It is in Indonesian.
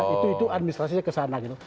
itu administrasinya kesana gitu